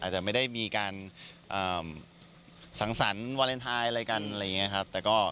แต่ไม่ได้มีการสังสรรค์วาเลนไทยอะไรอย่างนี้ครับ